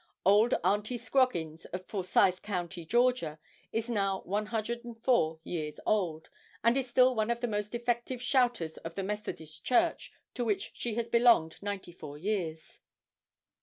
Old Auntie Scroggins, of Forsyth Co., Georgia, is now 104 years old, and is still one of the most effective shouters of the Methodist Church to which she has belonged 94 years.